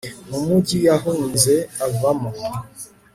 mu mugi yahunze avamo